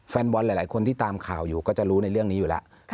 แฟนบอลหลายคนที่ตามข่าวอยู่ก็จะรู้ในเรื่องนี้อยู่แล้ว